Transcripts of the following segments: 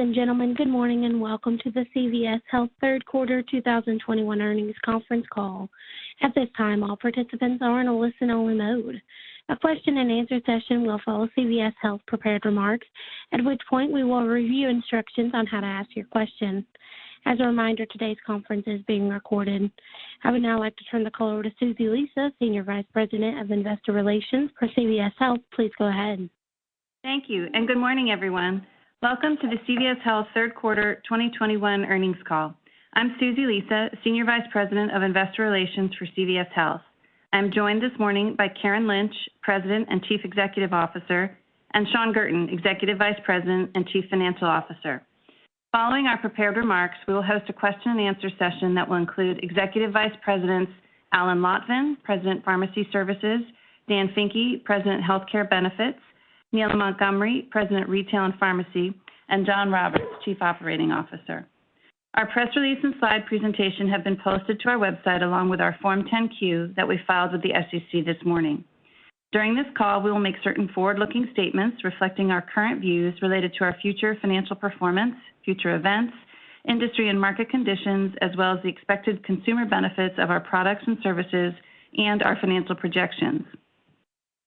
Ladies and gentlemen, good morning, and welcome to the CVS Health Third Quarter 2021 Earnings Conference Call. At this time, all participants are in a listen-only mode. A question-and-answer session will follow CVS Health prepared remarks, at which point we will review instructions on how to ask your question. As a reminder, today's conference is being recorded. I would now like to turn the call over to Susie Lisa, Senior Vice President of Investor Relations for CVS Health. Please go ahead. Thank you, and good morning, everyone. Welcome to the CVS Health Third Quarter 2021 Earnings Call. I'm Susie Lisa, Senior Vice President of Investor Relations for CVS Health. I'm joined this morning by Karen Lynch, President and Chief Executive Officer, and Shawn Guertin, Executive Vice President and Chief Financial Officer. Following our prepared remarks, we will host a question-and-answer session that will include Executive Vice Presidents Alan Lotvin, President, Pharmacy Services, Dan Finke, President, Healthcare Benefits, Neela Montgomery, President, Retail and Pharmacy, and Jon Roberts, Chief Operating Officer. Our press release and slide presentation have been posted to our website, along with our Form 10-Q that we filed with the SEC this morning. During this call, we will make certain forward-looking statements reflecting our current views related to our future financial performance, future events, industry and market conditions, as well as the expected consumer benefits of our products and services and our financial projections.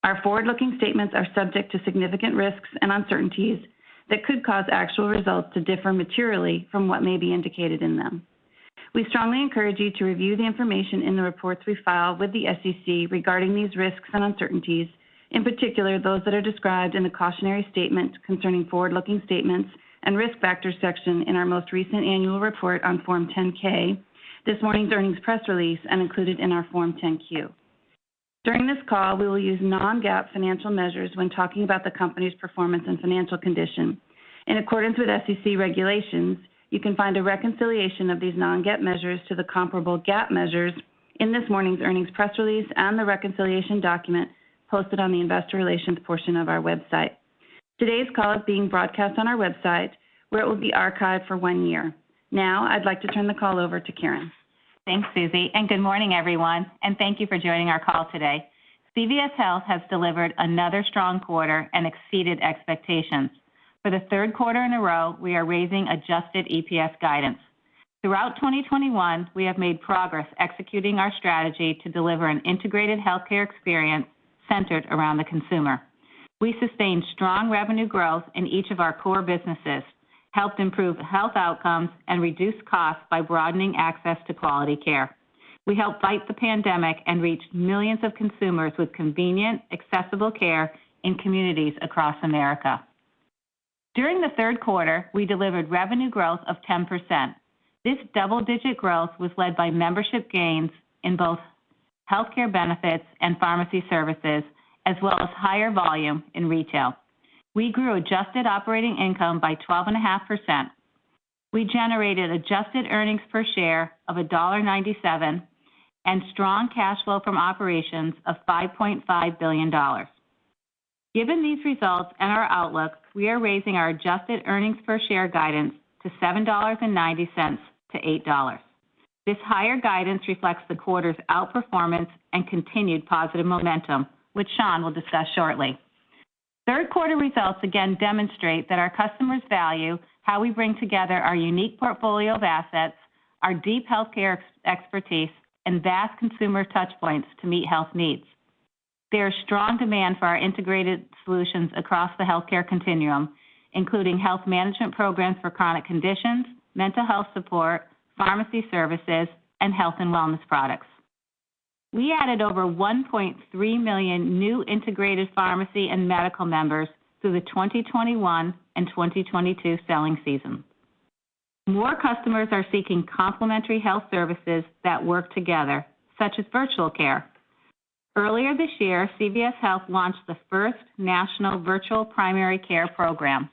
Our forward-looking statements are subject to significant risks and uncertainties that could cause actual results to differ materially from what may be indicated in them. We strongly encourage you to review the information in the reports we file with the SEC regarding these risks and uncertainties, in particular, those that are described in the Cautionary Statement Concerning Forward-Looking Statements and Risk Factors section in our most recent annual report on Form 10-K, this morning's earnings press release, and included in our Form 10-Q. During this call, we will use non-GAAP financial measures when talking about the company's performance and financial condition. In accordance with SEC regulations, you can find a reconciliation of these non-GAAP measures to the comparable GAAP measures in this morning's earnings press release and the reconciliation document posted on the investor relations portion of our website. Today's call is being broadcast on our website, where it will be archived for one year. Now, I'd like to turn the call over to Karen. Thanks, Susie, and good morning, everyone, and thank you for joining our call today. CVS Health has delivered another strong quarter and exceeded expectations. For the third quarter in a row, we are raising adjusted EPS guidance. Throughout 2021, we have made progress executing our strategy to deliver an integrated healthcare experience centered around the consumer. We sustained strong revenue growth in each of our core businesses, helped improve health outcomes, and reduced costs by broadening access to quality care. We helped fight the pandemic and reached millions of consumers with convenient, accessible care in communities across America. During the third quarter, we delivered revenue growth of 10%. This double-digit growth was led by membership gains in both Healthcare Benefits and Pharmacy Services, as well as higher volume in retail. We grew adjusted operating income by 12.5%. We generated adjusted earnings per share of $1.97, and strong cash flow from operations of $5.5 billion. Given these results and our outlook, we are raising our adjusted earnings per share guidance to $7.90-$8. This higher guidance reflects the quarter's outperformance and continued positive momentum, which Shawn will discuss shortly. Third quarter results again demonstrate that our customers value how we bring together our unique portfolio of assets, our deep healthcare expertise, and vast consumer touchpoints to meet health needs. There is strong demand for our integrated solutions across the healthcare continuum, including health management programs for chronic conditions, mental health support, pharmacy services, and health and wellness products. We added over 1.3 million new integrated pharmacy and medical members through the 2021 and 2022 selling season. More customers are seeking complementary health services that work together, such as virtual care. Earlier this year, CVS Health launched the first national virtual primary care program.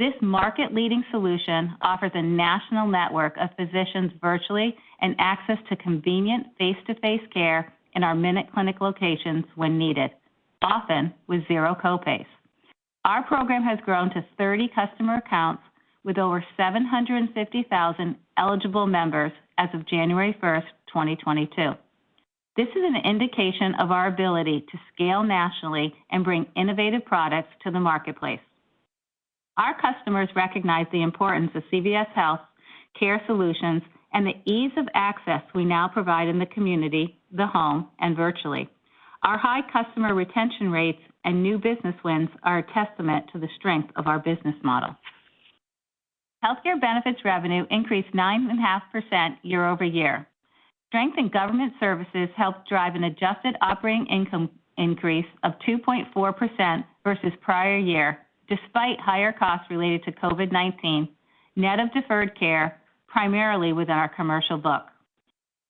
This market-leading solution offers a national network of physicians virtually and access to convenient face-to-face care in our MinuteClinic locations when needed, often with zero copays. Our program has grown to 30 customer accounts with over 750,000 eligible members as of January 1st, 2022. This is an indication of our ability to scale nationally and bring innovative products to the marketplace. Our customers recognize the importance of CVS Health care solutions and the ease of access we now provide in the community, the home, and virtually. Our high customer retention rates and new business wins are a testament to the strength of our business model. Healthcare Benefits revenue increased 9.5% year-over-year. Strength in government services helped drive an adjusted operating income increase of 2.4% versus prior year, despite higher costs related to COVID-19, net of deferred care, primarily within our commercial book.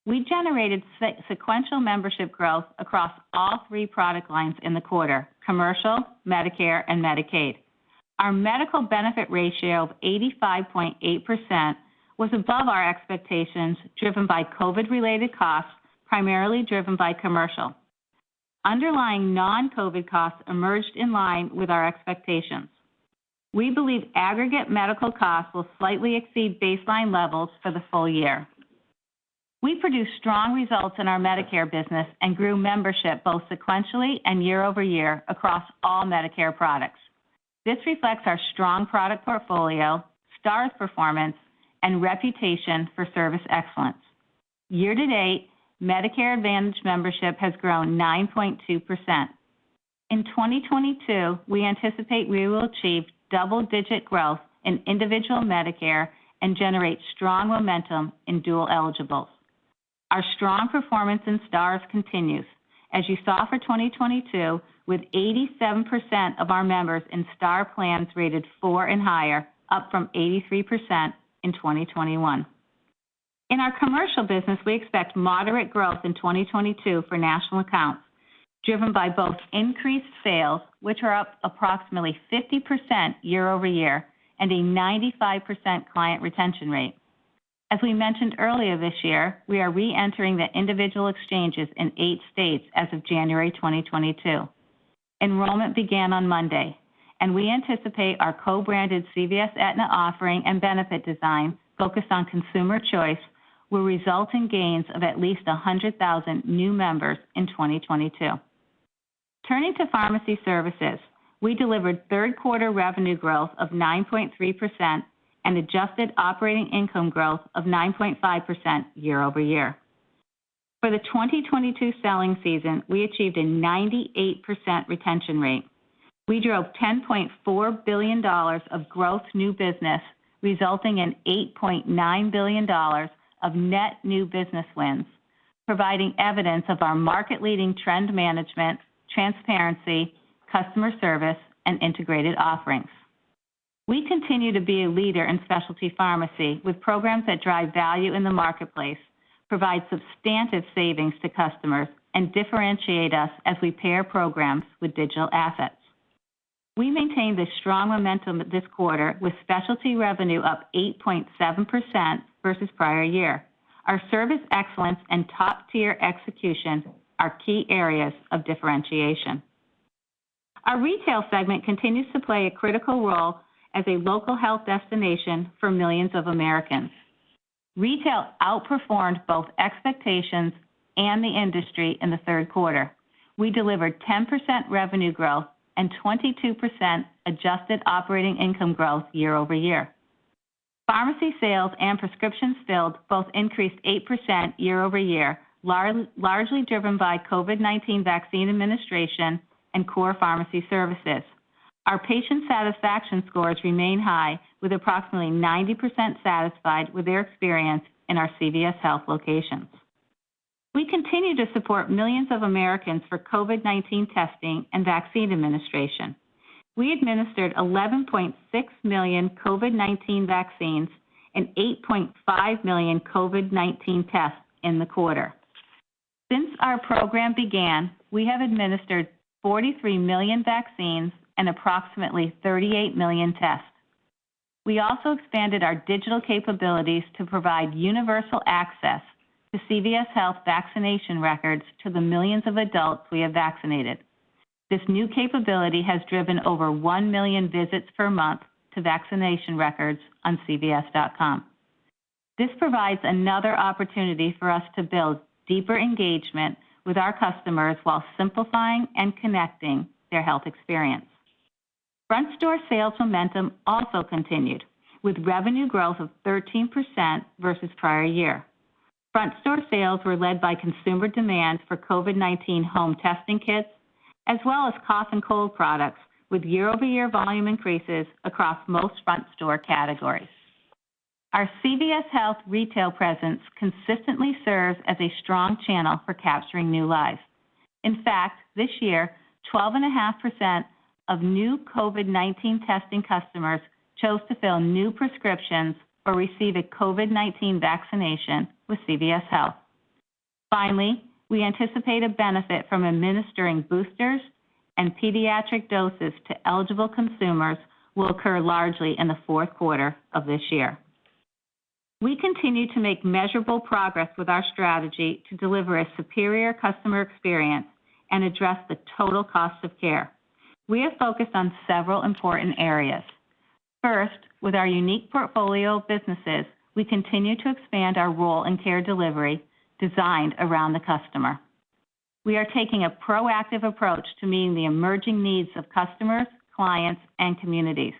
We generated sequential membership growth across all three product lines in the quarter. Commercial, Medicare, and Medicaid. Our medical benefit ratio of 85.8% was above our expectations, driven by COVID-related costs, primarily driven by commercial. Underlying non-COVID costs emerged in line with our expectations. We believe aggregate medical costs will slightly exceed baseline levels for the full year. We produced strong results in our Medicare business and grew membership both sequentially and year-over-year across all Medicare products. This reflects our strong product portfolio, stars performance and reputation for service excellence. Year-to-date, Medicare Advantage membership has grown 9.2%. In 2022, we anticipate we will achieve double-digit growth in individual Medicare and generate strong momentum in dual eligibles. Our strong performance in stars continues as you saw for 2022 with 87% of our members in star plans rated four and higher, up from 83% in 2021. In our commercial business, we expect moderate growth in 2022 for national accounts, driven by both increased sales, which are up approximately 50% year-over-year and a 95% client retention rate. As we mentioned earlier this year, we are re-entering the individual exchanges in eight states as of January 2022. Enrollment began on Monday, and we anticipate our co-branded Aetna CVS Health offering and benefit design focused on consumer choice will result in gains of at least 100,000 new members in 2022. Turning to pharmacy services, we delivered third quarter revenue growth of 9.3% and adjusted operating income growth of 9.5% year-over-year. For the 2022 selling season, we achieved a 98% retention rate. We drove $10.4 billion of gross new business, resulting in $8.9 billion of net new business wins, providing evidence of our market-leading trend management, transparency, customer service and integrated offerings. We continue to be a leader in specialty pharmacy with programs that drive value in the marketplace, provide substantive savings to customers, and differentiate us as we pair programs with digital assets. We maintained this strong momentum this quarter with specialty revenue up 8.7% versus prior year. Our service excellence and top-tier execution are key areas of differentiation. Our retail segment continues to play a critical role as a local health destination for millions of Americans. Retail outperformed both expectations and the industry in the third quarter. We delivered 10% revenue growth and 22% adjusted operating income growth year over year. Pharmacy sales and prescriptions filled both increased 8% year over year, largely driven by COVID-19 vaccine administration and core pharmacy services. Our patient satisfaction scores remain high with approximately 90% satisfied with their experience in our CVS Health locations. We continue to support millions of Americans for COVID-19 testing and vaccine administration. We administered 11.6 million COVID-19 vaccines and 8.5 million COVID-19 tests in the quarter. Since our program began, we have administered 43 million vaccines and approximately 38 million tests. We also expanded our digital capabilities to provide universal access to CVS Health vaccination records to the millions of adults we have vaccinated. This new capability has driven over 1 million visits per month to vaccination records on cvs.com. This provides another opportunity for us to build deeper engagement with our customers while simplifying and connecting their health experience. Front store sales momentum also continued with revenue growth of 13% versus prior year. Front store sales were led by consumer demand for COVID-19 home testing kits, as well as cough and cold products with year-over-year volume increases across most front store categories. Our CVS Health retail presence consistently serves as a strong channel for capturing new Rx. In fact, this year, 12.5% of new COVID-19 testing customers chose to fill new prescriptions or receive a COVID-19 vaccination with CVS Health. Finally, we anticipate a benefit from administering boosters and pediatric doses to eligible consumers will occur largely in the fourth quarter of this year. We continue to make measurable progress with our strategy to deliver a superior customer experience and address the total cost of care. We have focused on several important areas. First, with our unique portfolio of businesses, we continue to expand our role in care delivery designed around the customer. We are taking a proactive approach to meeting the emerging needs of customers, clients and communities.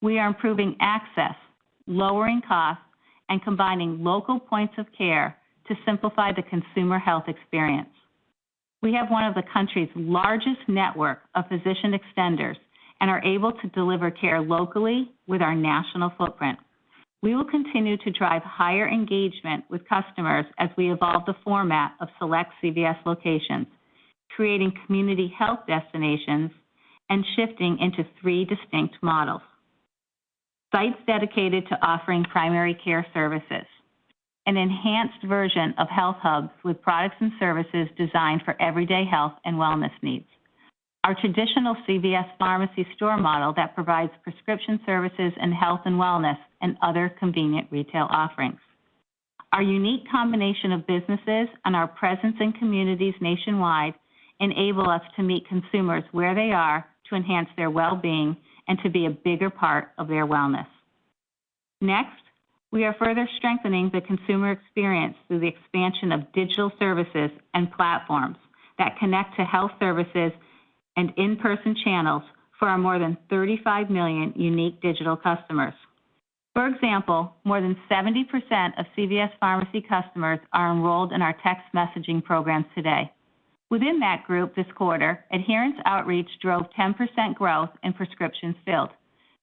We are improving access, lowering costs, and combining local points of care to simplify the consumer health experience. We have one of the country's largest network of physician extenders and are able to deliver care locally with our national footprint. We will continue to drive higher engagement with customers as we evolve the format of select CVS locations, creating community health destinations and shifting into three distinct models, sites dedicated to offering primary care services, an enhanced version of HealthHUBs with products and services designed for everyday health and wellness needs, our traditional CVS Pharmacy store model that provides prescription services and health and wellness and other convenient retail offerings. Our unique combination of businesses and our presence in communities nationwide enables us to meet consumers where they are to enhance their well-being and to be a bigger part of their wellness. Next, we are further strengthening the consumer experience through the expansion of digital services and platforms that connect to health services and in-person channels for our more than 35 million unique digital customers. For example, more than 70% of CVS Pharmacy customers are enrolled in our text messaging programs today. Within that group this quarter, adherence outreach drove 10% growth in prescriptions filled.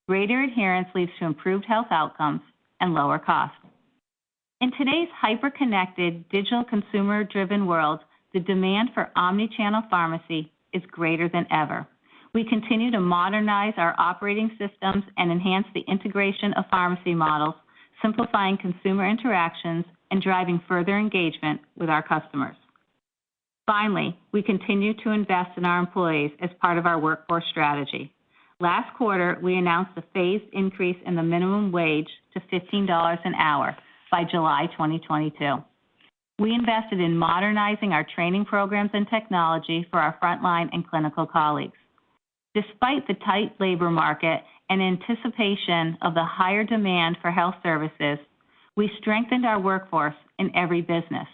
Greater adherence leads to improved health outcomes and lower costs. In today's hyper-connected, digital, consumer-driven world, the demand for omnichannel pharmacy is greater than ever. We continue to modernize our operating systems and enhance the integration of pharmacy models, simplifying consumer interactions and driving further engagement with our customers. Finally, we continue to invest in our employees as part of our workforce strategy. Last quarter, we announced a phased increase in the minimum wage to $15 an hour by July 2022. We invested in modernizing our training programs and technology for our frontline and clinical colleagues. Despite the tight labor market and anticipation of the higher demand for health services, we strengthened our workforce in every business.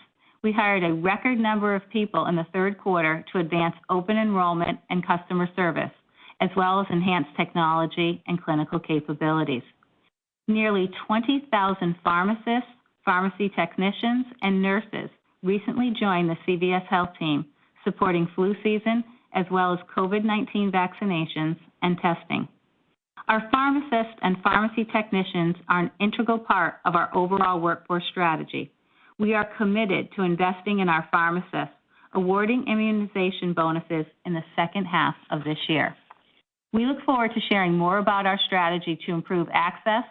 We hired a record number of people in the third quarter to advance open enrollment and customer service, as well as enhance technology and clinical capabilities. Nearly 20,000 pharmacists, pharmacy technicians, and nurses recently joined the CVS Health team, supporting flu season as well as COVID-19 vaccinations and testing. Our pharmacists and pharmacy technicians are an integral part of our overall workforce strategy. We are committed to investing in our pharmacists, awarding immunization bonuses in the second half of this year. We look forward to sharing more about our strategy to improve access,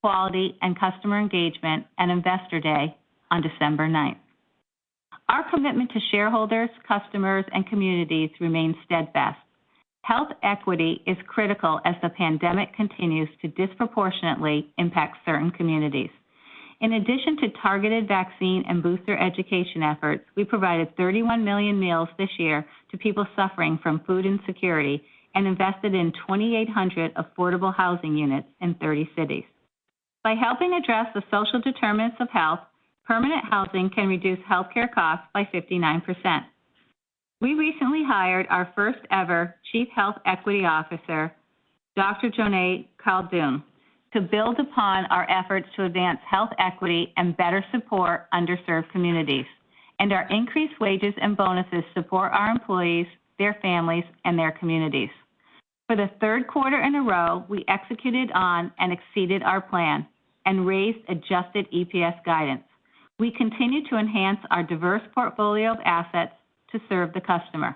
quality, and customer engagement at Investor Day on December ninth. Our commitment to shareholders, customers, and communities remains steadfast. Health equity is critical as the pandemic continues to disproportionately impact certain communities. In addition to targeted vaccine and booster education efforts, we provided 31 million meals this year to people suffering from food insecurity and invested in 2,800 affordable housing units in 30 cities. By helping address the social determinants of health, permanent housing can reduce healthcare costs by 59%. We recently hired our first ever Chief Health Equity Officer, Dr. Joneigh Khaldun, to build upon our efforts to advance health equity and better support underserved communities. Our increased wages and bonuses support our employees, their families, and their communities. For the third quarter in a row, we executed on and exceeded our plan and raised adjusted EPS guidance. We continue to enhance our diverse portfolio of assets to serve the customer.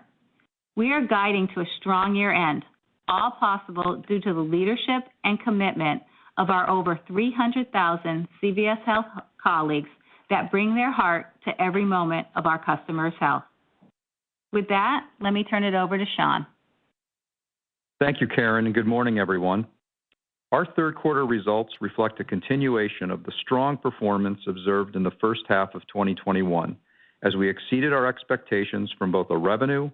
We are guiding to a strong year-end, all possible due to the leadership and commitment of our over 300,000 CVS Health colleagues that bring their heart to every moment of our customers' health. With that, let me turn it over to Shawn. Thank you, Karen, and good morning, everyone. Our third quarter results reflect a continuation of the strong performance observed in the first half of 2021, as we exceeded our expectations from both a revenue,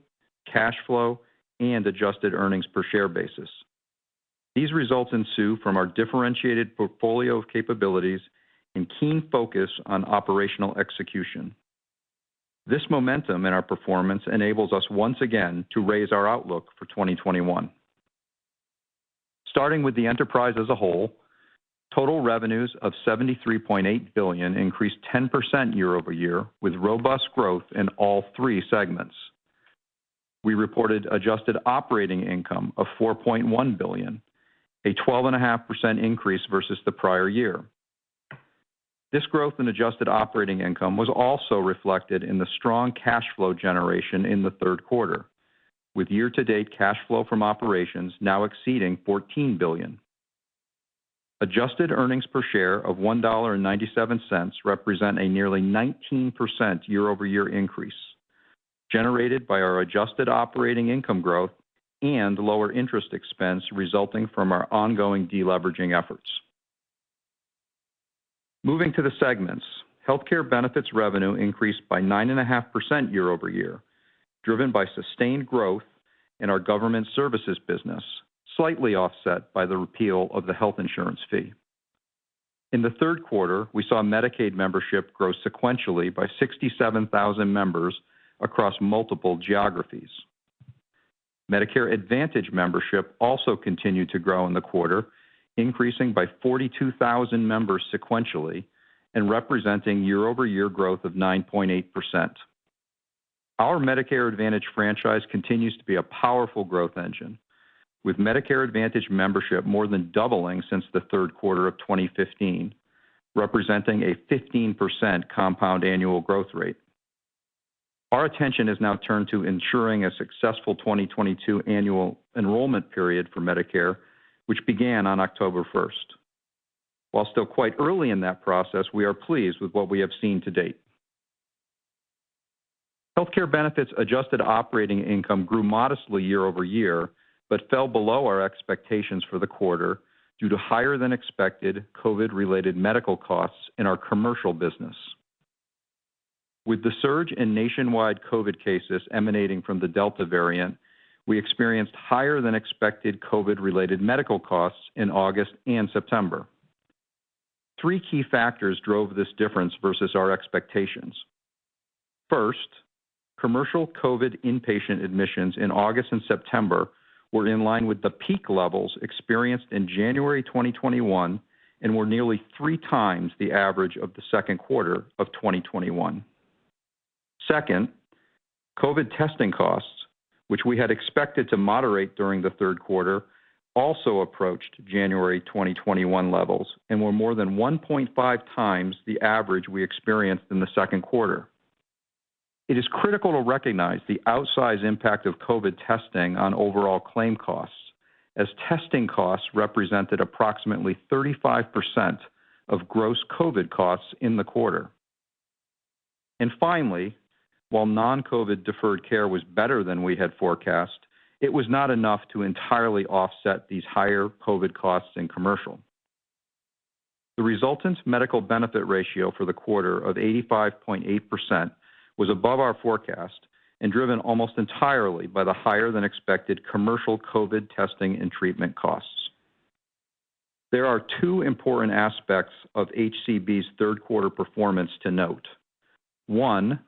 cash flow, and adjusted earnings per share basis. These results ensue from our differentiated portfolio of capabilities and keen focus on operational execution. This momentum in our performance enables us once again to raise our outlook for 2021. Starting with the enterprise as a whole, total revenues of $73.8 billion increased 10% year-over-year with robust growth in all three segments. We reported adjusted operating income of $4.1 billion, a 12.5% increase versus the prior year. This growth in adjusted operating income was also reflected in the strong cash flow generation in the third quarter, with year-to-date cash flow from operations now exceeding $14 billion. Adjusted earnings per share of $1.97 represent a nearly 19% year-over-year increase generated by our adjusted operating income growth and lower interest expense resulting from our ongoing deleveraging efforts. Moving to the segments, Healthcare Benefits revenue increased by 9.5% year over year, driven by sustained growth in our government services business, slightly offset by the repeal of the health insurance fee. In the third quarter, we saw Medicaid membership grow sequentially by 67,000 members across multiple geographies. Medicare Advantage membership also continued to grow in the quarter, increasing by 42,000 members sequentially and representing year-over-year growth of 9.8%. Our Medicare Advantage franchise continues to be a powerful growth engine, with Medicare Advantage membership more than doubling since the third quarter of 2015, representing a 15% compound annual growth rate. Our attention is now turned to ensuring a successful 2022 annual enrollment period for Medicare, which began on October 1. While still quite early in that process, we are pleased with what we have seen to date. Healthcare benefits adjusted operating income grew modestly year-over-year, but fell below our expectations for the quarter due to higher than expected COVID-related medical costs in our commercial business. With the surge in nationwide COVID cases emanating from the Delta variant, we experienced higher than expected COVID-related medical costs in August and September. Three key factors drove this difference versus our expectations. First, commercial COVID inpatient admissions in August and September were in line with the peak levels experienced in January 2021 and were nearly 3 times the average of the second quarter of 2021. Second, COVID testing costs, which we had expected to moderate during the third quarter, also approached January 2021 levels and were more than 1.5 times the average we experienced in the second quarter. It is critical to recognize the outsized impact of COVID testing on overall claim costs as testing costs represented approximately 35% of gross COVID costs in the quarter. Finally, while non-COVID deferred care was better than we had forecast, it was not enough to entirely offset these higher COVID costs in commercial. The resultant medical benefit ratio for the quarter of 85.8% was above our forecast and driven almost entirely by the higher than expected commercial COVID testing and treatment costs. There are two important aspects of HCB's third quarter performance to note. One,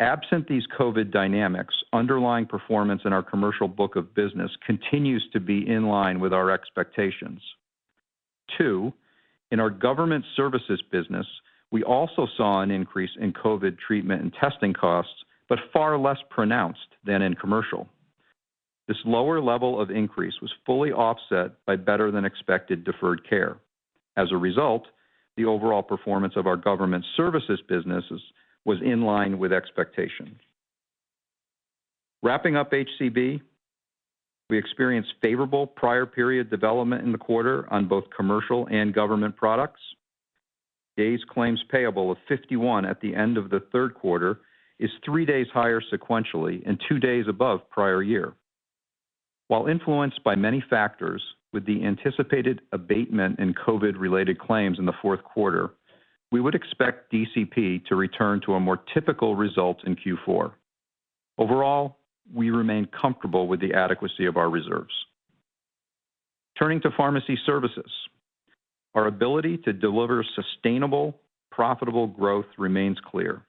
absent these COVID dynamics, underlying performance in our commercial book of business continues to be in line with our expectations. Two, in our government services business, we also saw an increase in COVID treatment and testing costs, but far less pronounced than in commercial. This lower level of increase was fully offset by better than expected deferred care. As a result, the overall performance of our government services businesses was in line with expectations. Wrapping up HCB, we experienced favorable prior period development in the quarter on both commercial and government products. Days claims payable of 51 at the end of the third quarter is 3 days higher sequentially and 2 days above prior year. While influenced by many factors with the anticipated abatement in COVID-related claims in the fourth quarter, we would expect DCP to return to a more typical result in Q4. Overall, we remain comfortable with the adequacy of our reserves. Turning to pharmacy services. Our ability to deliver sustainable, profitable growth remains clear.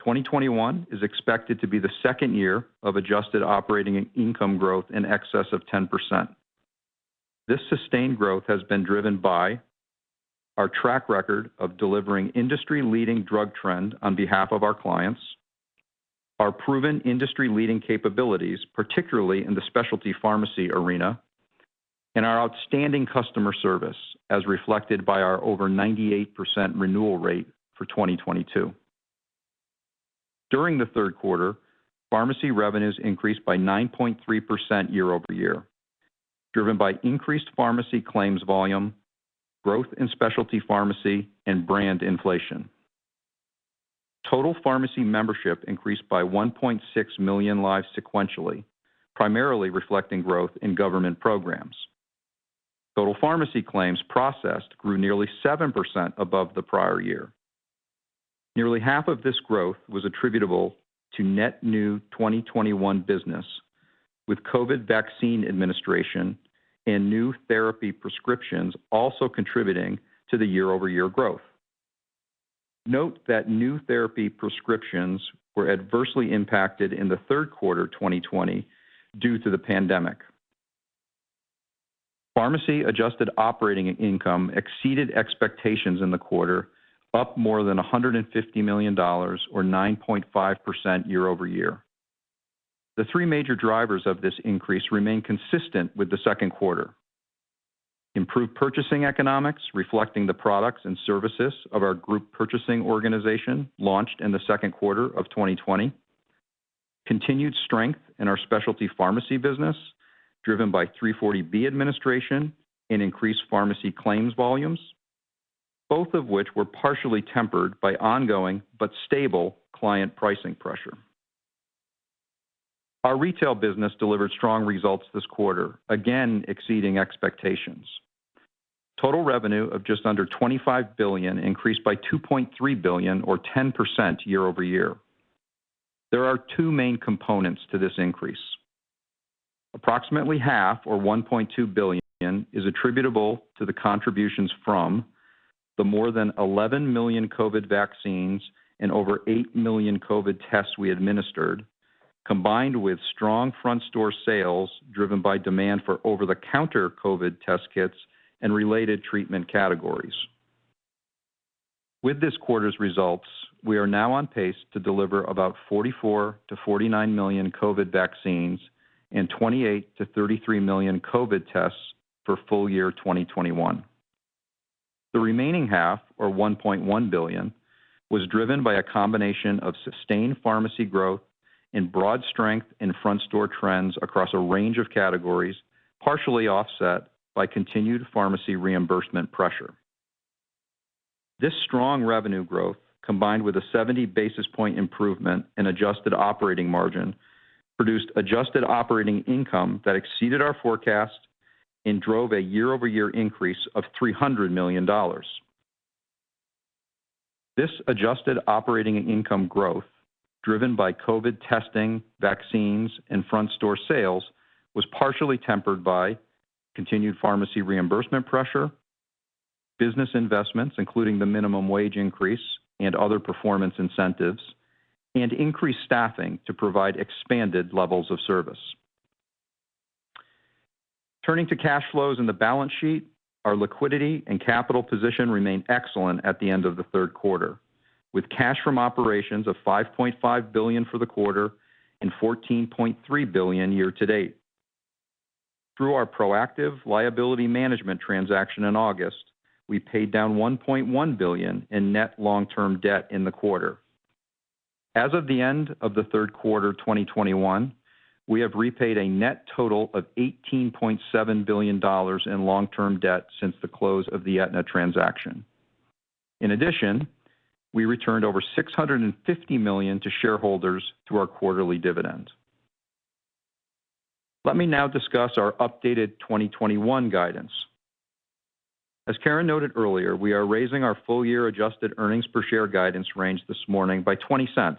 2021 is expected to be the second year of adjusted operating income growth in excess of 10%. This sustained growth has been driven by our track record of delivering industry-leading drug trend on behalf of our clients, our proven industry-leading capabilities, particularly in the specialty pharmacy arena, and our outstanding customer service, as reflected by our over 98% renewal rate for 2022. During the third quarter, pharmacy revenues increased by 9.3% year-over-year, driven by increased pharmacy claims volume, growth in specialty pharmacy and brand inflation. Total pharmacy membership increased by 1.6 million lives sequentially, primarily reflecting growth in government programs. Total pharmacy claims processed grew nearly 7% above the prior year. Nearly half of this growth was attributable to net new 2021 business, with COVID vaccine administration and new therapy prescriptions also contributing to the year-over-year growth. Note that new therapy prescriptions were adversely impacted in the third quarter 2020 due to the pandemic. Pharmacy adjusted operating income exceeded expectations in the quarter, up more than $150 million or 9.5% year-over-year. The three major drivers of this increase remain consistent with the second quarter. Improved purchasing economics reflecting the products and services of our group purchasing organization launched in the second quarter of 2020. Continued strength in our specialty pharmacy business, driven by 340B administration and increased pharmacy claims volumes, both of which were partially tempered by ongoing but stable client pricing pressure. Our retail business delivered strong results this quarter, again exceeding expectations. Total revenue of just under $25 billion increased by $2.3 billion or 10% year-over-year. There are two main components to this increase. Approximately half or $1.2 billion is attributable to the contributions from the more than 11 million COVID vaccines and over 8 million COVID tests we administered, combined with strong front store sales driven by demand for over-the-counter COVID test kits and related treatment categories. With this quarter's results, we are now on pace to deliver about 44-49 million COVID vaccines and 28-33 million COVID tests for full year 2021. The remaining half or $1.1 billion was driven by a combination of sustained pharmacy growth and broad strength in front store trends across a range of categories, partially offset by continued pharmacy reimbursement pressure. This strong revenue growth, combined with a 70 basis points improvement in adjusted operating margin, produced adjusted operating income that exceeded our forecast and drove a year-over-year increase of $300 million. This adjusted operating income growth, driven by COVID testing, vaccines, and front store sales, was partially tempered by continued pharmacy reimbursement pressure, business investments, including the minimum wage increase and other performance incentives, and increased staffing to provide expanded levels of service. Turning to cash flows in the balance sheet, our liquidity and capital position remained excellent at the end of the third quarter, with cash from operations of $5.5 billion for the quarter and $14.3 billion year-to-date. Through our proactive liability management transaction in August, we paid down $1.1 billion in net long-term debt in the quarter. As of the end of the third quarter of 2021, we have repaid a net total of $18.7 billion in long-term debt since the close of the Aetna transaction. In addition, we returned over $650 million to shareholders through our quarterly dividend. Let me now discuss our updated 2021 guidance. As Karen noted earlier, we are raising our full-year adjusted earnings per share guidance range this morning by $0.20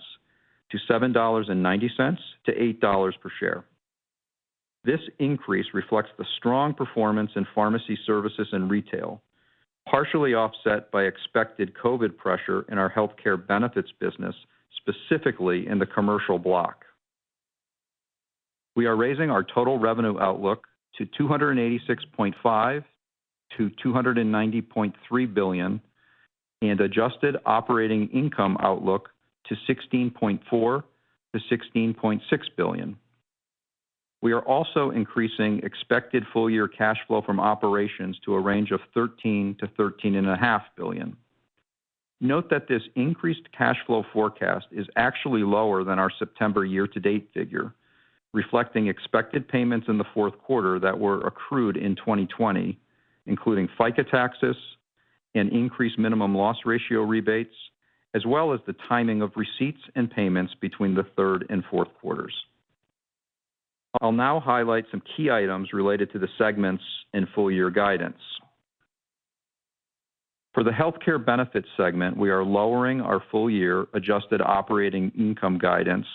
to $7.90-$8 per share. This increase reflects the strong performance in pharmacy services and retail, partially offset by expected COVID pressure in our healthcare benefits business, specifically in the commercial block. We are raising our total revenue outlook to $286.5 billion-$290.3 billion and adjusted operating income outlook to $16.4 billion-$16.6 billion. We are also increasing expected full-year cash flow from operations to a range of $13 billion-$13.5 billion. Note that this increased cash flow forecast is actually lower than our September year-to-date figure, reflecting expected payments in the fourth quarter that were accrued in 2020, including FICA taxes and increased minimum loss ratio rebates, as well as the timing of receipts and payments between the third and fourth quarters. I'll now highlight some key items related to the segments in full year guidance. For the Healthcare Benefits segment, we are lowering our full year adjusted operating income guidance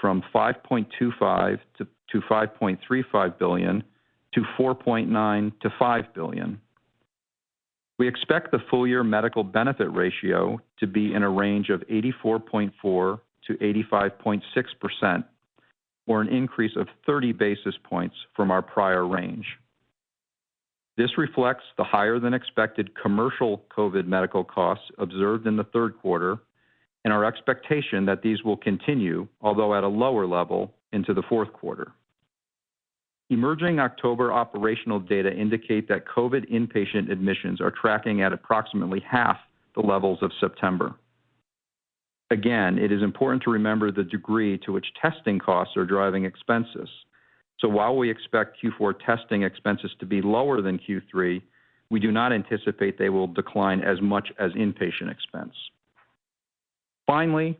from $5.25 billion-$5.35 billion to $4.9 billion-$5 billion. We expect the full year medical benefit ratio to be in a range of 84.4%-85.6% or an increase of 30 basis points from our prior range. This reflects the higher than expected commercial COVID medical costs observed in the third quarter and our expectation that these will continue, although at a lower level into the fourth quarter. Emerging October operational data indicate that COVID inpatient admissions are tracking at approximately half the levels of September. Again, it is important to remember the degree to which testing costs are driving expenses. While we expect Q4 testing expenses to be lower than Q3, we do not anticipate they will decline as much as inpatient expense. Finally,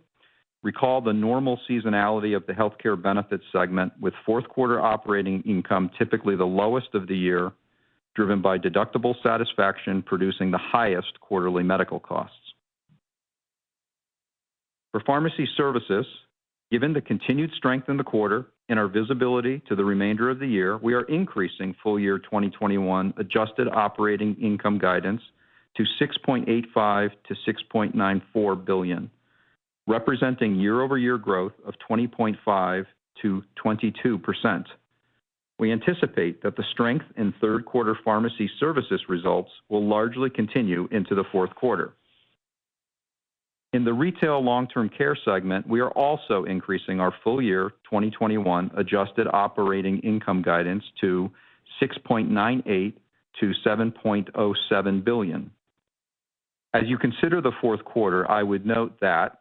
recall the normal seasonality of the Healthcare Benefits segment with fourth quarter operating income typically the lowest of the year, driven by deductible satisfaction producing the highest quarterly medical costs. For Pharmacy Services, given the continued strength in the quarter and our visibility to the remainder of the year, we are increasing full year 2021 adjusted operating income guidance to $6.85 billion-$6.94 billion, representing year-over-year growth of 20.5%-22%. We anticipate that the strength in third quarter Pharmacy Services results will largely continue into the fourth quarter. In the Retail Long-Term Care segment, we are also increasing our full year 2021 adjusted operating income guidance to $6.98 billion-$7.07 billion. As you consider the fourth quarter, I would note that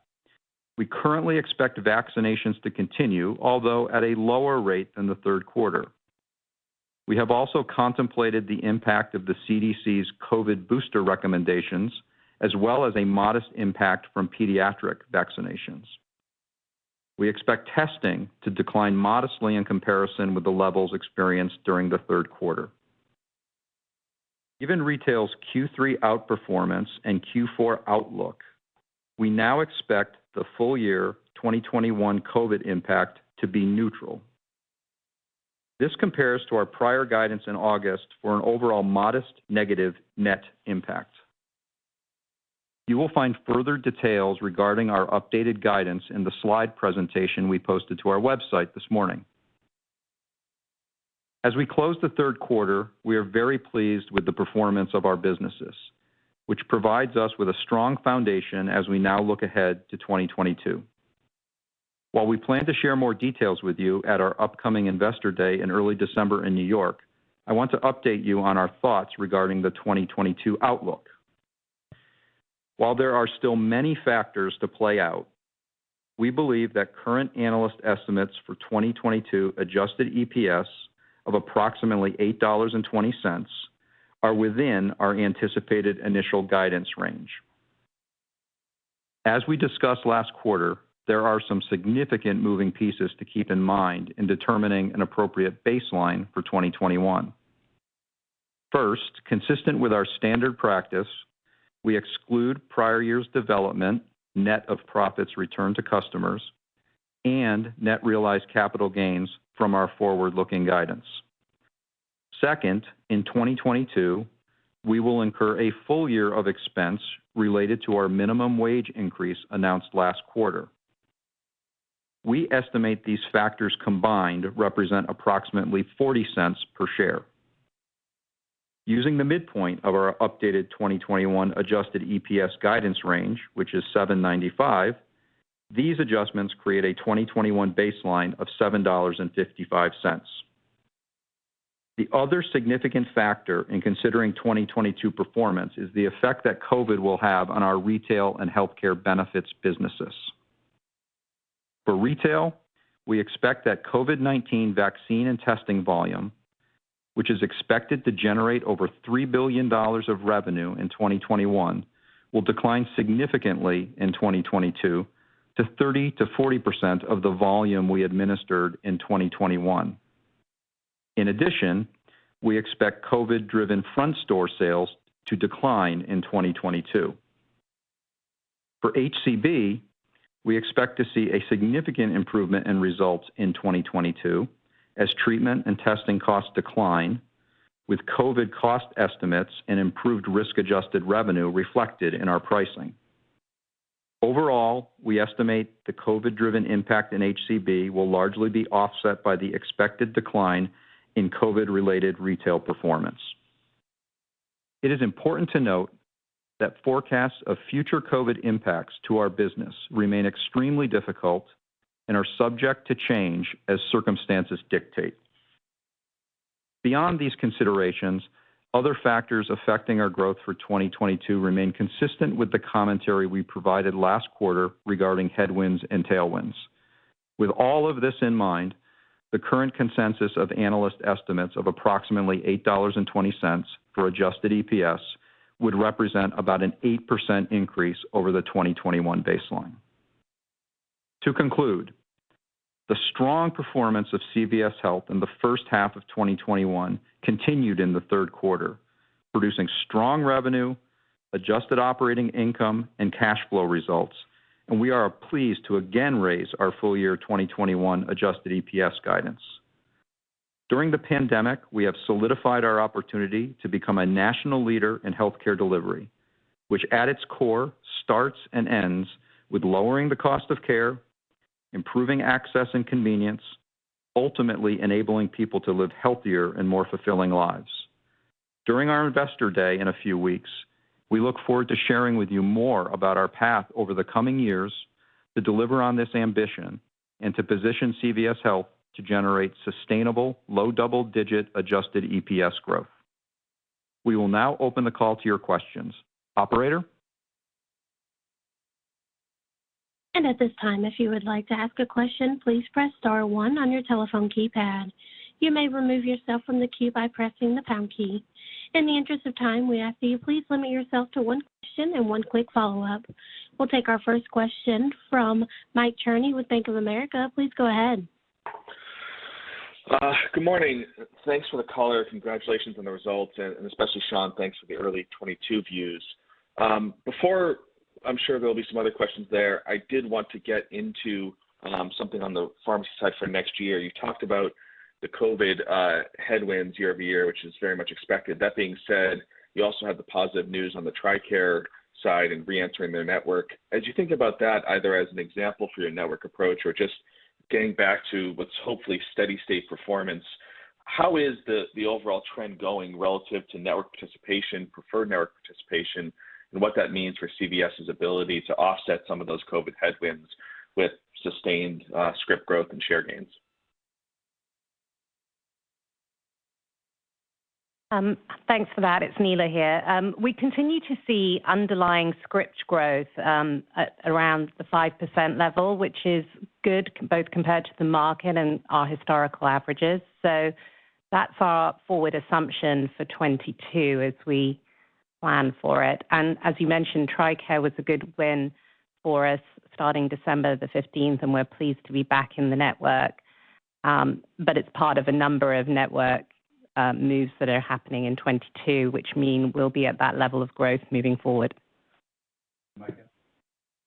we currently expect vaccinations to continue, although at a lower rate than the third quarter. We have also contemplated the impact of the CDC's COVID booster recommendations, as well as a modest impact from pediatric vaccinations. We expect testing to decline modestly in comparison with the levels experienced during the third quarter. Given retail's Q3 outperformance and Q4 outlook, we now expect the full year 2021 COVID impact to be neutral. This compares to our prior guidance in August for an overall modest negative net impact. You will find further details regarding our updated guidance in the slide presentation we posted to our website this morning. As we close the third quarter, we are very pleased with the performance of our businesses, which provides us with a strong foundation as we now look ahead to 2022. While we plan to share more details with you at our upcoming Investor Day in early December in New York, I want to update you on our thoughts regarding the 2022 outlook. While there are still many factors to play out, we believe that current analyst estimates for 2022 adjusted EPS of approximately $8.20 are within our anticipated initial guidance range. As we discussed last quarter, there are some significant moving pieces to keep in mind in determining an appropriate baseline for 2021. First, consistent with our standard practice, we exclude prior period development, net of profits returned to customers and net realized capital gains from our forward-looking guidance. Second, in 2022, we will incur a full year of expense related to our minimum wage increase announced last quarter. We estimate these factors combined represent approximately $0.40 per share. Using the midpoint of our updated 2021 adjusted EPS guidance range, which is $7.95, these adjustments create a 2021 baseline of $7.55. The other significant factor in considering 2022 performance is the effect that COVID will have on our retail and healthcare benefits businesses. For retail, we expect that COVID-19 vaccine and testing volume, which is expected to generate over $3 billion of revenue in 2021, will decline significantly in 2022 to 30%-40% of the volume we administered in 2021. In addition, we expect COVID driven front store sales to decline in 2022. For HCB, we expect to see a significant improvement in results in 2022 as treatment and testing costs decline with COVID cost estimates and improved risk-adjusted revenue reflected in our pricing. Overall, we estimate the COVID driven impact in HCB will largely be offset by the expected decline in COVID-related retail performance. It is important to note that forecasts of future COVID impacts to our business remain extremely difficult and are subject to change as circumstances dictate. Beyond these considerations, other factors affecting our growth for 2022 remain consistent with the commentary we provided last quarter regarding headwinds and tailwinds. With all of this in mind, the current consensus of analyst estimates of approximately $8.20 for adjusted EPS would represent about an 8% increase over the 2021 baseline. To conclude, the strong performance of CVS Health in the first half of 2021 continued in the third quarter, producing strong revenue, adjusted operating income, and cash flow results, and we are pleased to again raise our full year 2021 adjusted EPS guidance. During the pandemic, we have solidified our opportunity to become a national leader in healthcare delivery, which at its core starts and ends with lowering the cost of care, improving access and convenience, ultimately enabling people to live healthier and more fulfilling lives. During our Investor Day in a few weeks, we look forward to sharing with you more about our path over the coming years to deliver on this ambition and to position CVS Health to generate sustainable low double-digit adjusted EPS growth. We will now open the call to your questions. Operator? At this time, if you would like to ask a question, please press star one on your telephone keypad. You may remove yourself from the queue by pressing the pound key. In the interest of time, we ask that you please limit yourself to one question and one quick follow-up. We'll take our first question from Michael Cherny with Bank of America. Please go ahead. Good morning. Thanks for the color. Congratulations on the results. Especially Shawn, thanks for the early 2022 views. Before, I'm sure there'll be some other questions there, I did want to get into something on the pharmacy side for next year. You talked about the COVID headwinds year-over-year, which is very much expected. That being said, you also have the positive news on the TRICARE side and reentering their network. As you think about that, either as an example for your network approach or just getting back to what's hopefully steady state performance, how is the overall trend going relative to network participation, preferred network participation, and what that means for CVS's ability to offset some of those COVID headwinds with sustained script growth and share gains? Thanks for that. It's Neela Montgomery here. We continue to see underlying script growth at around the 5% level, which is good both compared to the market and our historical averages. That's our forward assumption for 2022 as we plan for it. As you mentioned, TRICARE was a good win for us starting December the fifteenth, and we're pleased to be back in the network. It's part of a number of network moves that are happening in 2022, which mean we'll be at that level of growth moving forward.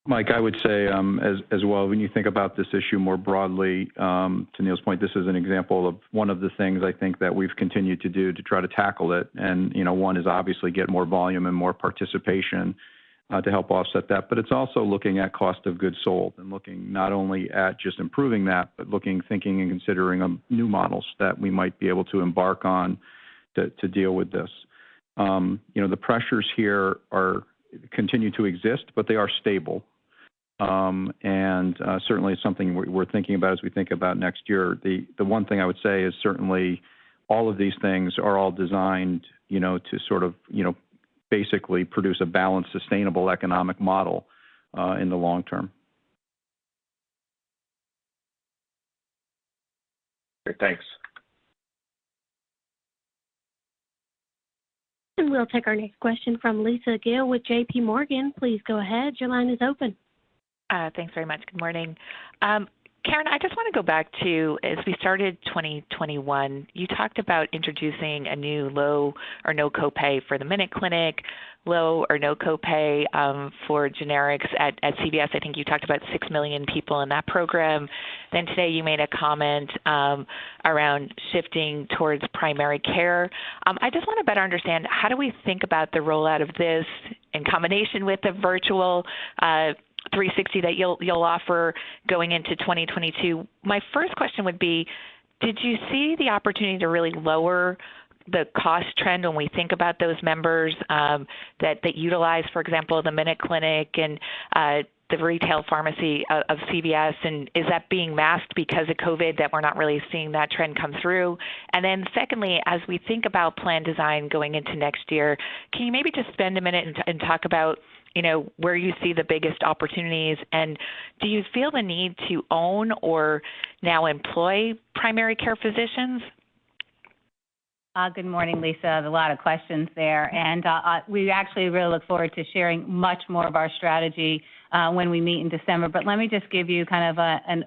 Mike, I would say, as well, when you think about this issue more broadly, to Neela's point, this is an example of one of the things I think that we've continued to do to try to tackle it. You know, one is obviously get more volume and more participation, to help offset that. It's also looking at cost of goods sold and looking not only at just improving that, but looking, thinking, and considering, new models that we might be able to embark on to deal with this. You know, the pressures here continue to exist, but they are stable. Certainly something we're thinking about as we think about next year. The one thing I would say is certainly all of these things are all designed, you know, to sort of, you know, basically produce a balanced, sustainable economic model in the long term. Great. Thanks. We'll take our next question from Lisa Gill with J.P. Morgan. Please go ahead. Your line is open. Thanks very much. Good morning. Karen, I just wanna go back to as we started 2021, you talked about introducing a new low or no copay for the MinuteClinic, low or no copay, for generics at CVS. I think you talked about 6 million people in that program. Today, you made a comment around shifting towards primary care. I just wanna better understand, how do we think about the rollout of this in combination with the virtual 360 that you'll offer going into 2022? My first question would be, did you see the opportunity to really lower the cost trend when we think about those members that utilize, for example, the MinuteClinic and the retail pharmacy of CVS, and is that being masked because of COVID that we're not really seeing that trend come through? Then secondly, as we think about plan design going into next year, can you maybe just spend a minute and talk about, you know, where you see the biggest opportunities, and do you feel the need to own or now employ primary care physicians? Good morning, Lisa. A lot of questions there. We actually really look forward to sharing much more of our strategy when we meet in December. But let me just give you kind of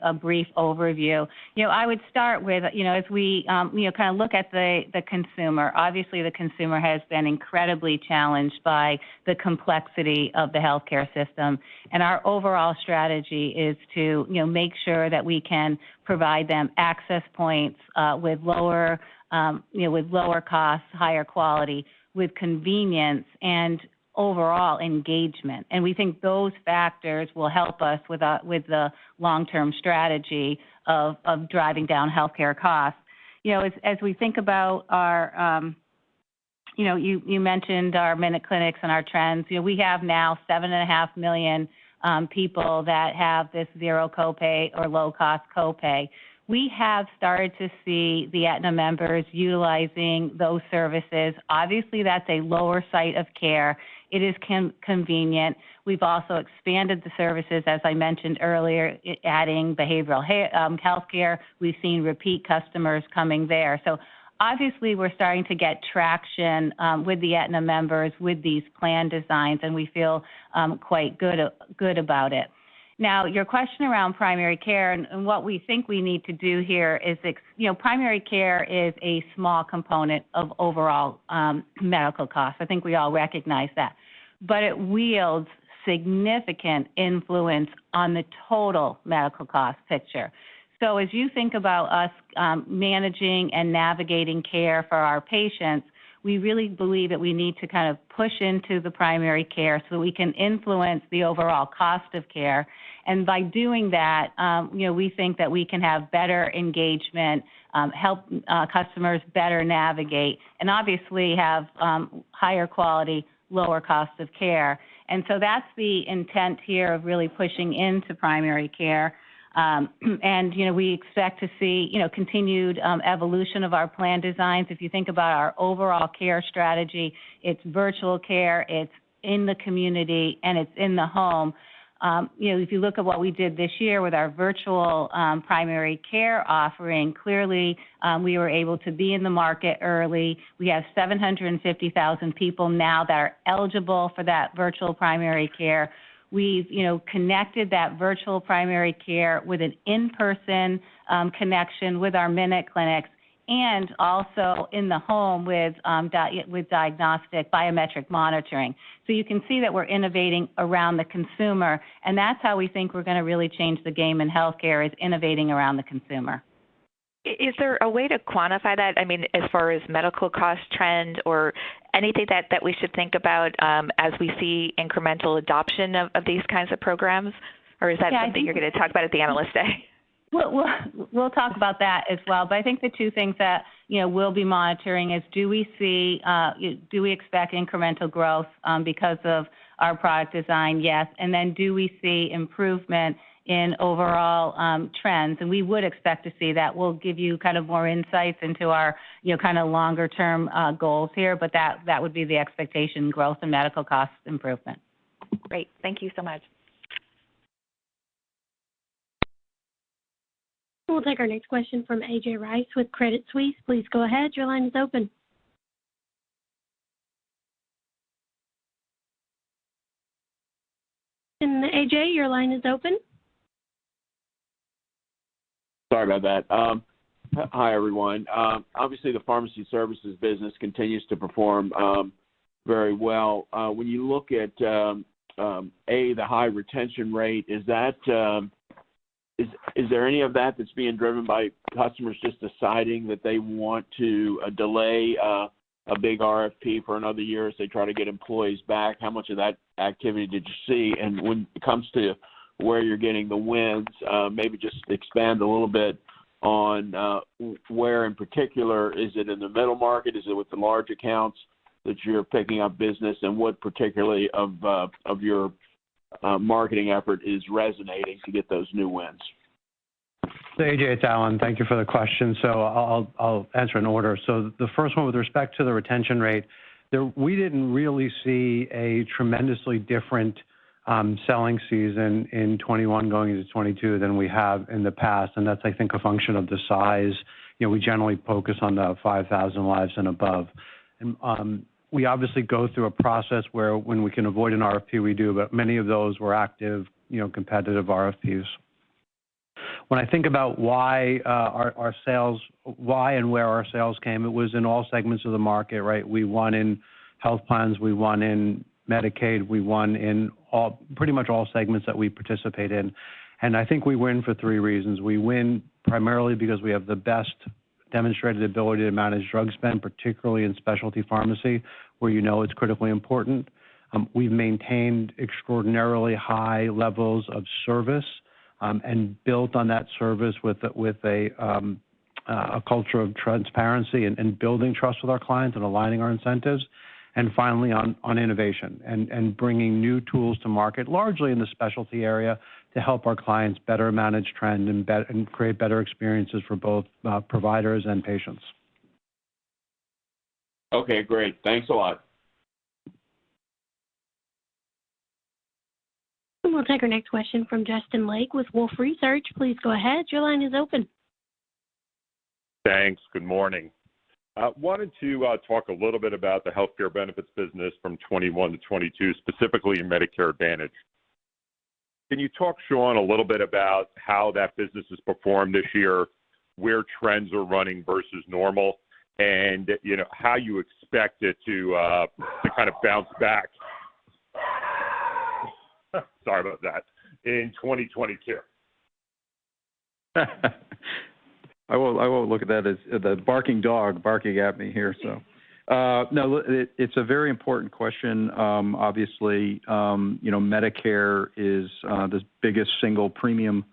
a brief overview. You know, I would start with you know, as we look at the consumer. Obviously, the consumer has been incredibly challenged by the complexity of the healthcare system. Our overall strategy is to make sure that we can provide them access points with lower costs, higher quality, with convenience and overall engagement. We think those factors will help us with the long-term strategy of driving down healthcare costs. You know, as we think about our, you mentioned our MinuteClinics and our trends. You know, we have now 7.5 million people that have this zero copay or low-cost copay. We have started to see the Aetna members utilizing those services. Obviously, that's a lower site of care. It is convenient. We've also expanded the services, as I mentioned earlier, adding behavioral healthcare. We've seen repeat customers coming there. Obviously we're starting to get traction with the Aetna members with these plan designs, and we feel quite good about it. Now, your question around primary care and what we think we need to do here. You know, primary care is a small component of overall medical costs. I think we all recognize that. It wields significant influence on the total medical cost picture. As you think about us, managing and navigating care for our patients, we really believe that we need to kind of push into the primary care so we can influence the overall cost of care. By doing that, you know, we think that we can have better engagement, help customers better navigate, and obviously have higher quality, lower costs of care. That's the intent here of really pushing into primary care. You know, we expect to see, you know, continued evolution of our plan designs. If you think about our overall care strategy, it's virtual care, it's in the community, and it's in the home. You know, if you look at what we did this year with our virtual primary care offering, clearly, we were able to be in the market early. We have 750,000 people now that are eligible for that virtual primary care. We've, you know, connected that virtual primary care with an in-person connection with our MinuteClinics and also in the home with diagnostic biometric monitoring. You can see that we're innovating around the consumer, and that's how we think we're gonna really change the game in healthcare, is innovating around the consumer. Is there a way to quantify that? I mean, as far as medical cost trend or anything that we should think about, as we see incremental adoption of these kinds of programs? Or is that something you're gonna talk about at the Analyst Day? We'll talk about that as well. I think the two things that, you know, we'll be monitoring is do we see do we expect incremental growth because of our product design? Yes. Do we see improvement in overall trends? We would expect to see that. We'll give you kind of more insights into our, you know, kind of longer-term goals here, but that would be the expectation, growth and medical cost improvement. Great. Thank you so much. We'll take our next question from A.J. Rice with Credit Suisse. Please go ahead. Your line is open. AJ, your line is open. Sorry about that. Hi, everyone. Obviously the pharmacy services business continues to perform very well. When you look at the high retention rate, is that there any of that that's being driven by customers just deciding that they want to delay a big RFP for another year as they try to get employees back? How much of that activity did you see? When it comes to where you're getting the wins, maybe just expand a little bit on where in particular. Is it in the middle market? Is it with the large accounts that you're picking up business? What particularly of your marketing effort is resonating to get those new wins? A.J., it's Alan. Thank you for the question. I'll answer in order. The first one with respect to the retention rate, we didn't really see a tremendously different selling season in 2021 going into 2022 than we have in the past. That's, I think, a function of the size. You know, we generally focus on the 5,000 lives and above. We obviously go through a process where when we can avoid an RFP, we do, but many of those were active competitive RFPs. When I think about why our sales came, it was in all segments of the market, right? We won in health plans, we won in Medicaid, we won in pretty much all segments that we participate in. I think we win for three reasons. We win primarily because we have the best demonstrated ability to manage drug spend, particularly in specialty pharmacy, where you know it's critically important. We've maintained extraordinarily high levels of service, and built on that service with a culture of transparency and building trust with our clients and aligning our incentives. Finally, on innovation and bringing new tools to market largely in the specialty area to help our clients better manage trend and create better experiences for both providers and patients. Okay, great. Thanks a lot. We'll take our next question from Justin Lake with Wolfe Research. Please go ahead. Your line is open. Thanks. Good morning. I wanted to talk a little bit about the Healthcare Benefits business from 2021 to 2022, specifically in Medicare Advantage. Can you talk, Shawn, a little bit about how that business has performed this year, where trends are running versus normal, and you know, how you expect it to kind of bounce back sorry about that, in 2022? I will look at that as the barking dog barking at me here, so. No, look, it's a very important question. Obviously, you know, Medicare is the biggest single premium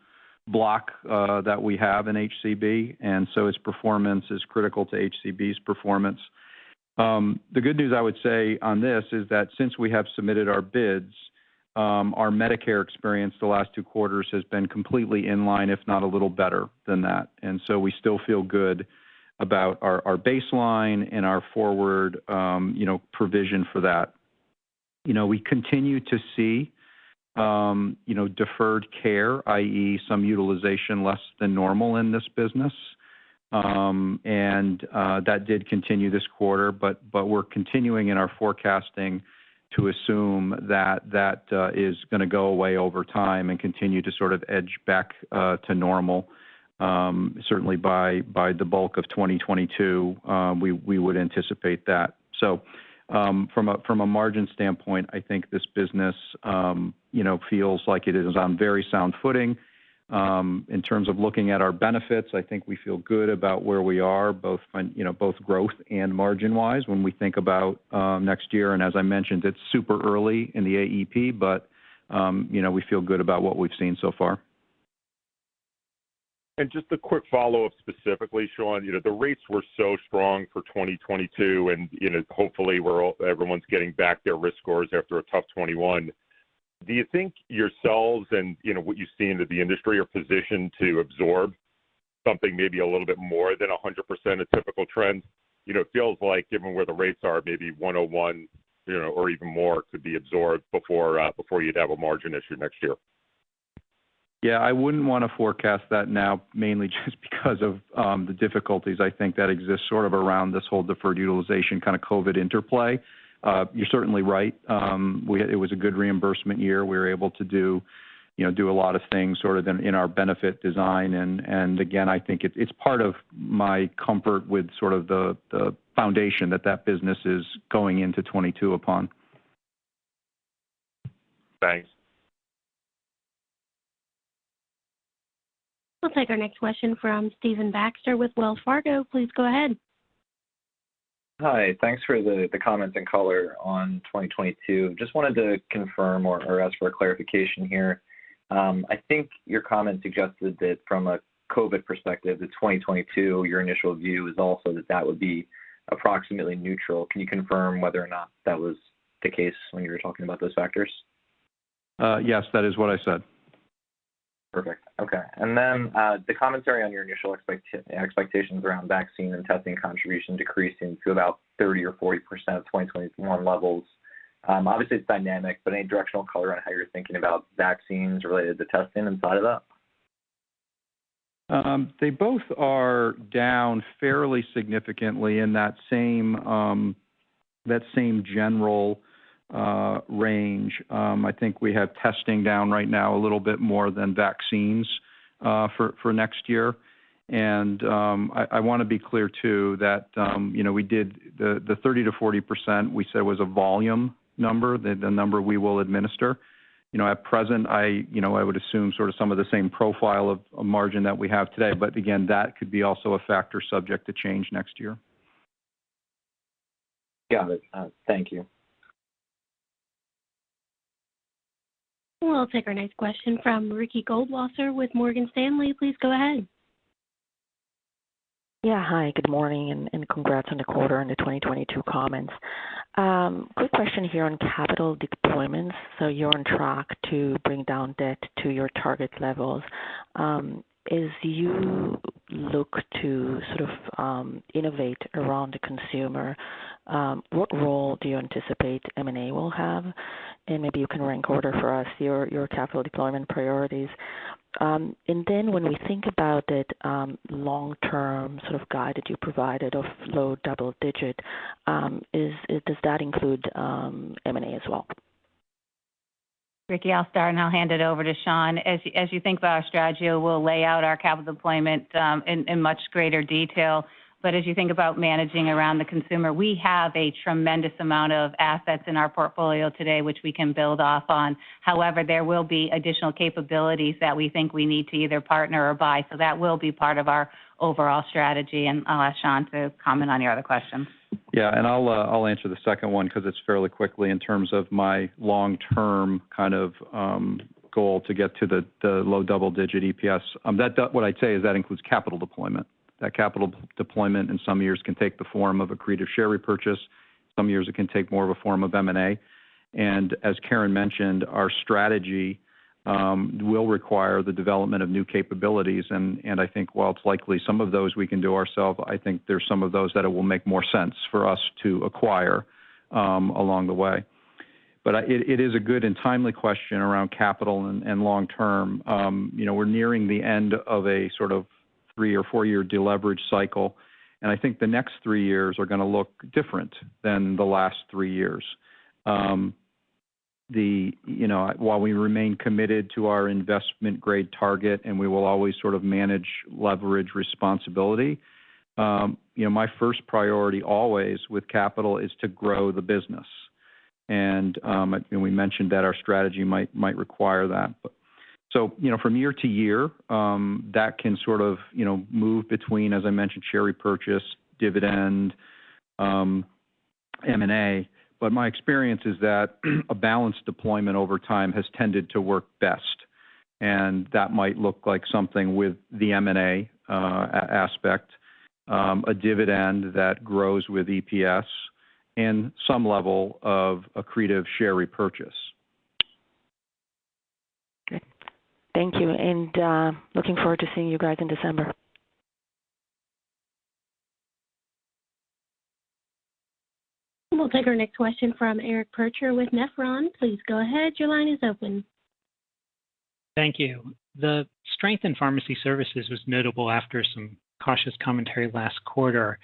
block that we have in HCB, and so its performance is critical to HCB's performance. The good news I would say on this is that since we have submitted our bids, our Medicare experience the last two quarters has been completely in line, if not a little better than that. We still feel good about our baseline and our forward, you know, provision for that. You know, we continue to see, you know, deferred care, i.e., some utilization less than normal in this business. That did continue this quarter, but we're continuing in our forecasting to assume that is gonna go away over time and continue to sort of edge back to normal, certainly by the bulk of 2022, we would anticipate that. From a margin standpoint, I think this business you know feels like it is on very sound footing. In terms of looking at our benefits, I think we feel good about where we are both on you know both growth and margin wise when we think about next year. As I mentioned, it's super early in the AEP, but you know we feel good about what we've seen so far. Just a quick follow-up specifically, Shawn. You know, the rates were so strong for 2022, and, you know, hopefully everyone's getting back their risk scores after a tough 2021. Do you think yourselves and, you know, what you've seen that the industry are positioned to absorb something maybe a little bit more than 100% of typical trends? You know, it feels like given where the rates are, maybe 101%, you know, or even more could be absorbed before before you'd have a margin issue next year. Yeah, I wouldn't wanna forecast that now, mainly just because of the difficulties I think that exist sort of around this whole deferred utilization kind of COVID interplay. You're certainly right. It was a good reimbursement year. We were able to do, you know, do a lot of things sort of in our benefit design. Again, I think it's part of my comfort with sort of the foundation that that business is going into 2022 upon. Thanks. We'll take our next question from Stephen Baxter with Wells Fargo. Please go ahead. Hi. Thanks for the comments and color on 2022. Just wanted to confirm or ask for a clarification here. I think your comment suggested that from a COVID perspective, the 2022, your initial view is also that it would be approximately neutral. Can you confirm whether or not that was the case when you were talking about those factors? Yes, that is what I said. Perfect. Okay. The commentary on your initial expectations around vaccine and testing contribution decreasing to about 30% or 40% of 2021 levels. Obviously it's dynamic, but any directional color on how you're thinking about vaccines related to testing inside of that? They both are down fairly significantly in that same general range. I think we have testing down right now a little bit more than vaccines for next year. I wanna be clear too that you know, we did the 30%-40% we said was a volume number, the number we will administer. You know, at present, I you know, I would assume sort of some of the same profile of a margin that we have today. But again, that could be also a factor subject to change next year. Got it. Thank you. We'll take our next question from Ricky Goldwasser with Morgan Stanley. Please go ahead. Hi, good morning, and congrats on the quarter and the 2022 comments. Quick question here on capital deployments. You're on track to bring down debt to your target levels. As you look to sort of innovate around the consumer, what role do you anticipate M&A will have? Maybe you can rank order for us your capital deployment priorities. Then when we think about that long-term sort of guide that you provided of low double-digit, does that include M&A as well? Ricky, I'll start, and I'll hand it over to Shawn. As you think about our strategy, we'll lay out our capital deployment in much greater detail. But as you think about managing around the consumer, we have a tremendous amount of assets in our portfolio today, which we can build off on. However, there will be additional capabilities that we think we need to either partner or buy. So that will be part of our overall strategy. I'll ask Shawn to comment on your other questions. I'll answer the second one because it's fairly quickly in terms of my long-term kind of goal to get to the low double-digit EPS. What I'd say is that includes capital deployment. That capital deployment in some years can take the form of accretive share repurchase. Some years it can take more of a form of M&A. As Karen mentioned, our strategy will require the development of new capabilities. I think while it's likely some of those we can do ourselves, I think there's some of those that it will make more sense for us to acquire along the way. It is a good and timely question around capital and long-term. You know, we're nearing the end of a sort of 3- or 4-year deleverage cycle, and I think the next three years are gonna look different than the last 3 years. You know, while we remain committed to our investment-grade target, and we will always sort of manage leverage responsibly, you know, my first priority always with capital is to grow the business. We mentioned that our strategy might require that. You know, from year to year, that can sort of, you know, move between, as I mentioned, share repurchase, dividend, M&A. My experience is that a balanced deployment over time has tended to work best, and that might look like something with the M&A aspect, a dividend that grows with EPS and some level of accretive share repurchase. Okay. Thank you, and looking forward to seeing you guys in December. We'll take our next question from Eric Percher with Nephron. Please go ahead. Your line is open. Thank you. The strength in pharmacy services was notable after some cautious commentary last quarter.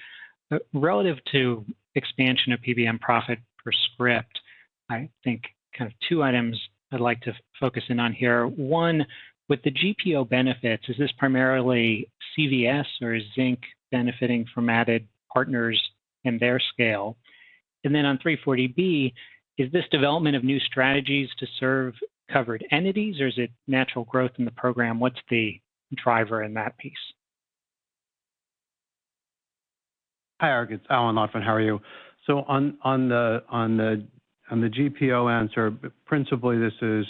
Relative to expansion of PBM profit per script, I think kind of two items I'd like to focus in on here. One, with the GPO benefits, is this primarily CVS or is Zinc benefiting from added partners and their scale? And then on 340B, is this development of new strategies to serve covered entities, or is it natural growth in the program? What's the driver in that piece? Hi, Eric, it's Alan Lotvin. How are you? On the GPO answer, principally this is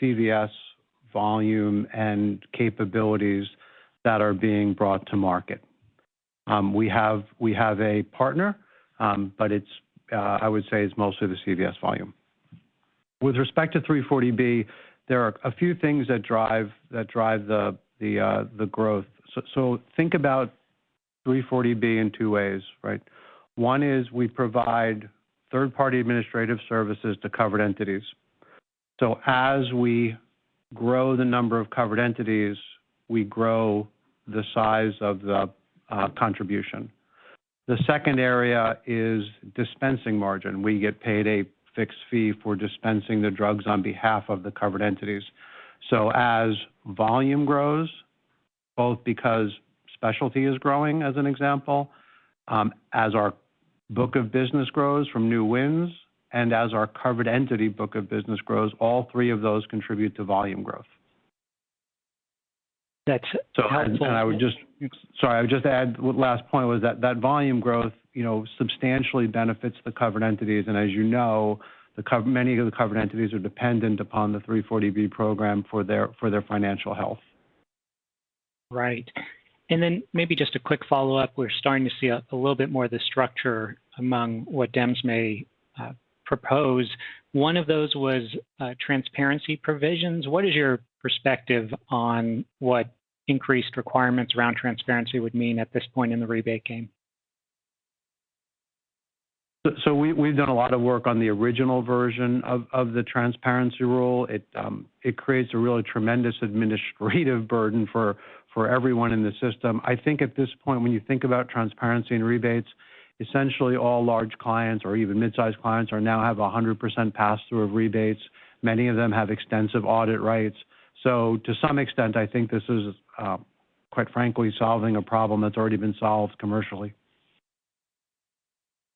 CVS volume and capabilities that are being brought to market. We have a partner, but it's, I would say it's mostly the CVS volume. With respect to 340B, there are a few things that drive the growth. Think about 340B in two ways, right? One is we provide third-party administrative services to covered entities. As we grow the number of covered entities, we grow the size of the contribution. The second area is dispensing margin. We get paid a fixed fee for dispensing the drugs on behalf of the covered entities. As volume grows, both because specialty is growing, as an example, as our book of business grows from new wins, and as our covered entity book of business grows, all three of those contribute to volume growth. That's helpful. Sorry, I would just add one last point was that volume growth, you know, substantially benefits the covered entities. As you know, many of the covered entities are dependent upon the 340B program for their financial health. Right. Then maybe just a quick follow-up. We're starting to see a little bit more of the structure among what Dems may propose. One of those was transparency provisions. What is your perspective on what increased requirements around transparency would mean at this point in the rebate game? We've done a lot of work on the original version of the transparency rule. It creates a really tremendous administrative burden for everyone in the system. I think at this point, when you think about transparency and rebates, essentially all large clients or even mid-sized clients are now have 100% pass-through of rebates. Many of them have extensive audit rights. To some extent, I think this is quite frankly solving a problem that's already been solved commercially.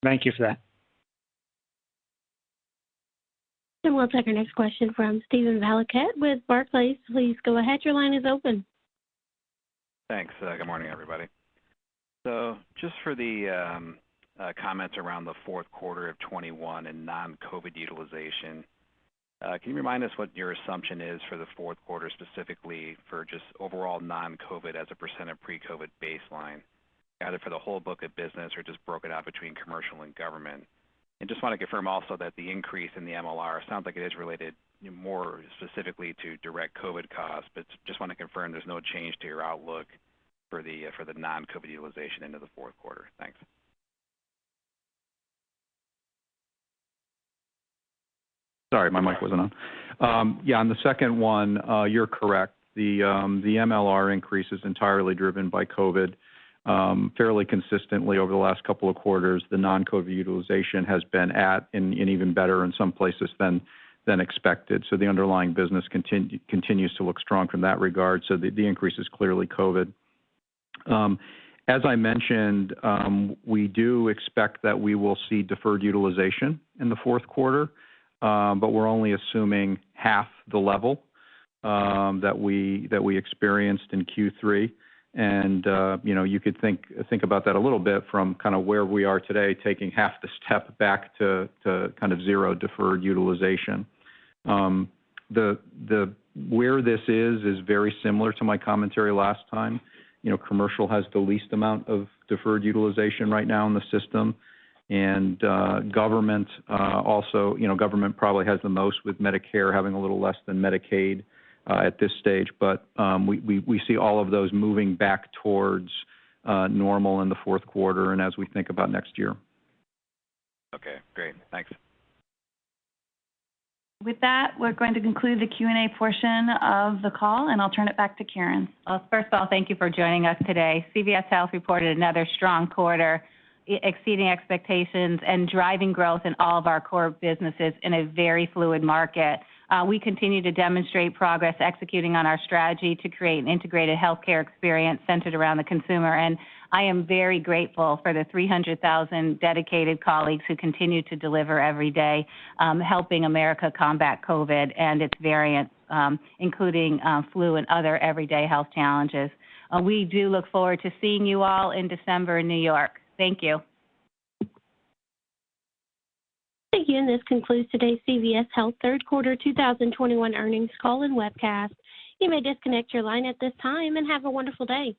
Thank you for that. We'll take our next question from Steven Valiquette with Barclays. Please go ahead. Your line is open. Thanks. Good morning, everybody. Just for the comments around the fourth quarter of 2021 and non-COVID utilization. Can you remind us what your assumption is for the fourth quarter, specifically for just overall non-COVID as a % of pre-COVID baseline, either for the whole book of business or just broken out between commercial and government? Just want to confirm also that the increase in the MLR sounds like it is related more specifically to direct COVID costs, but just want to confirm there's no change to your outlook for the non-COVID utilization into the fourth quarter. Thanks. Sorry, my mic wasn't on. Yeah, on the second one, you're correct. The MLR increase is entirely driven by COVID. Fairly consistently over the last couple of quarters, the non-COVID utilization has been at and even better in some places than expected. The underlying business continues to look strong from that regard. The increase is clearly COVID. As I mentioned, we do expect that we will see deferred utilization in the fourth quarter, but we're only assuming half the level that we experienced in Q3. You know, you could think about that a little bit from kind of where we are today, taking half the step back to kind of zero deferred utilization. Where this is very similar to my commentary last time. You know, commercial has the least amount of deferred utilization right now in the system. Government also, you know, government probably has the most with Medicare having a little less than Medicaid at this stage. We see all of those moving back towards normal in the fourth quarter and as we think about next year. Okay, great. Thanks. With that, we're going to conclude the Q&A portion of the call, and I'll turn it back to Karen. Well, first of all, thank you for joining us today. CVS Health reported another strong quarter, exceeding expectations and driving growth in all of our core businesses in a very fluid market. We continue to demonstrate progress executing on our strategy to create an integrated healthcare experience centered around the consumer. I am very grateful for the 300,000 dedicated colleagues who continue to deliver every day, helping America combat COVID and its variants, including flu and other everyday health challenges. We do look forward to seeing you all in December in New York. Thank you. Thank you. This concludes today's CVS Health third quarter 2021 earnings call and webcast. You may disconnect your line at this time, and have a wonderful day.